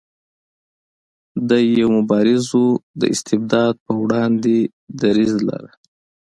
دی یو مبارز و د استبداد په وړاندې دریځ لاره.